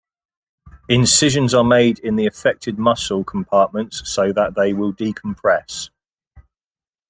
Incisions are made in the affected muscle compartments so that they will decompress.